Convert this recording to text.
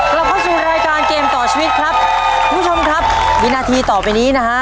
กลับเข้าสู่รายการเกมต่อชีวิตครับคุณผู้ชมครับวินาทีต่อไปนี้นะฮะ